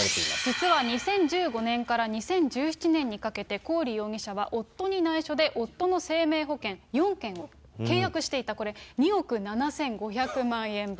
実は２０１５年から２０１７年にかけてコーリ容疑者は夫に内緒で夫の生命保険４件を契約していた、これ、２億７５００万円分。